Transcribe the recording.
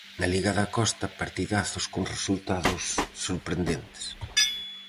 Na liga da Costa, partidazos con resultados sorprendentes.